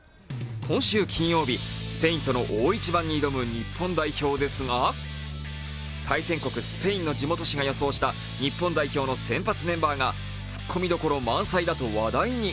今週金曜日、スペインとの大一番に臨む日本ですが対戦国・スペインの地元紙が予想した日本代表の先発ハンバーが、ツッコミどころ満載だと話題に。